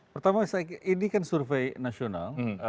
pertama ini kan survei nasional